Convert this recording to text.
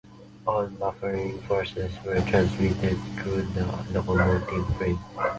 All buffering forces were transmitted through the locomotive frame.